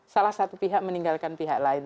salah satu pihak meninggalkan pihak lain